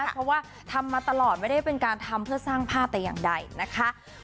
เพราะว่าทำมาตลอดไม่ได้เป็นการทำเพื่อสร้างภาพแต่อย่างใดนะคะ